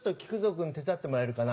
君手伝ってもらえるかな？